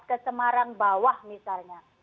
ke semarang bawah misalnya